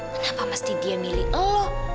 kenapa mesti dia milih lo